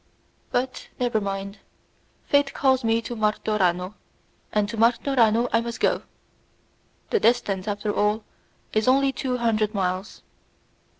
But never mind; fate calls me to Martorano, and to Martorano I must go. The distance, after all, is only two hundred miles.